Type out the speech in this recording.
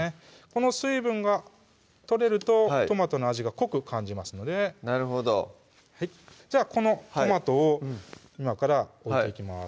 この水分が取れるとトマトの味が濃く感じますのでなるほどこのトマトを今から置いていきます